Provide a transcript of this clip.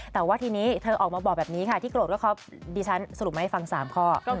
แต่ว่าทีนี้เธอออกมาบอกแบบนี้ก็ก็ดิฉันสมมถึงให้ฟัง๓ข้อ